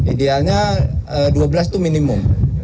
idealnya dua belas itu minimum